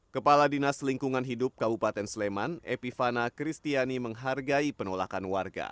kepala dinas lingkungan hidup kabupaten sleman epifana kristiani menghargai penolakan warga